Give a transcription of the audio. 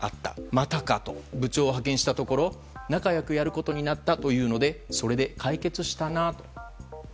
またかと部長を派遣したところ仲良くやることになったというのでそれで解決したなと。